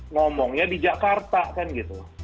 ngomongnya di jakarta kan gitu